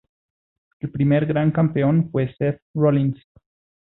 El primer Gran Campeón fue Seth Rollins.